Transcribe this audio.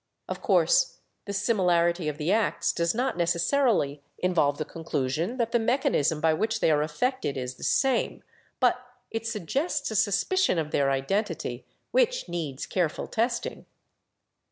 Of course the similarity of the acts does not necessarily involve the conclusion that the mechanism by which they are effected is the same, but it suggests a sus picion of their identity which needs careful testing."